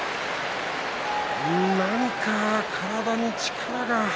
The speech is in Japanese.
何か体に力が。